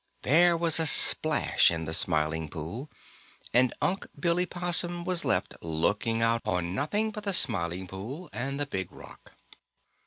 There was a splash in the Smiling Pool, and Unc' Billy Possum was left looking out on nothing but the Smiling Pool and the Big Rock.